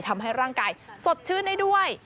ทำให้ร่างกายสดชื่นได้ด้วย